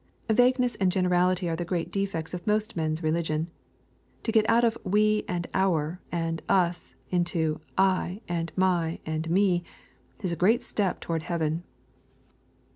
Vagueness and geneiality are the great defects of most men's religion. To get out of " we," and " our," and " us," into " I," and '^,my," and " me,"isagreat step toward heaven.